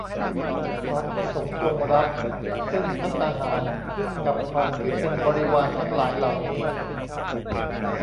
ขอพระสงฆ์จงรับ ซึ่งภัตตาหารกับของที่เป็นบริวารทั้งหลายเหล่านี้